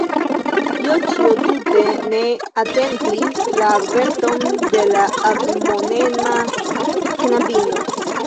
Joĉjo tute ne atentis la averton de la admonema knabino.